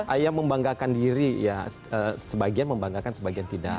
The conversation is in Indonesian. ayam membanggakan diri ya sebagian membanggakan sebagian tidak